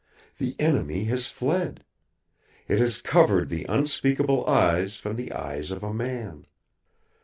The Enemy has fled. It has covered the Unspeakable Eyes from the eyes of a man.